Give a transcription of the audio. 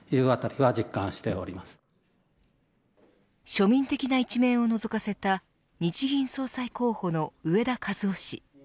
庶民的な一面をのぞかせた日銀総裁候補の植田和男氏。